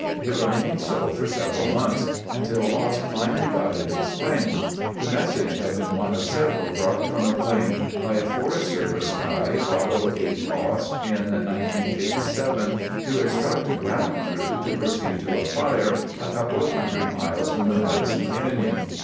It remained so for several months, until Ost finally got it explained. The message had been one of several dropped from a plane by a Forest Service guy, Otto H. Ost, in 1957 to instruct a ground crew to proceed to a fire a couple of hundred miles from the Madison Canyon.